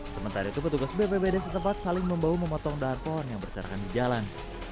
sementara itu petugas bppd setempat saling membawa memotong daerah pohon yang berserahkan di jalan